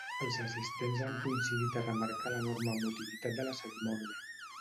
Els assistents han coincidit a remarcar l’enorme emotivitat de la cerimònia.